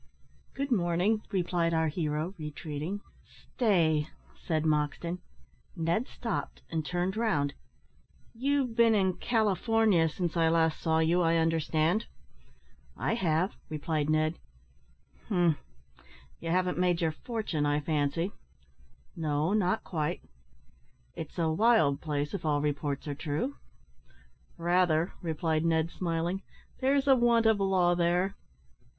"Good morning!" replied our hero, retreating. "Stay!" said Moxton. Ned stopped, and turned round. "You've been in California, since I last saw you, I understand?" "I have," replied Ned. "Umph! You haven't made your fortune, I fancy?" "No, not quite." "It's a wild place, if all reports are true?" "Rather," replied Ned, smiling; "there's a want of law there."